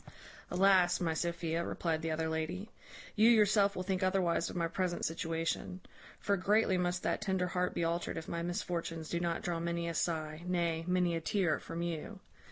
"Alas, my Sophia," replied the other lady, "you yourself will think otherwise of my present situation; for greatly must that tender heart be altered if my misfortunes do not draw many a sigh, nay, many a tear, from you.